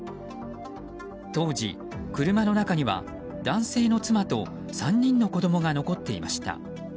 当時、車の中には男性の妻と３人の子供が残っていました。